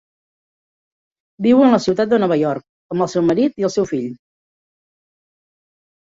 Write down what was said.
Viu en la ciutat de Nova York amb el seu marit i el seu fill.